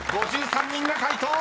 ［５３人が回答！］